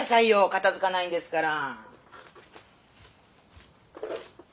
片づかないんですから。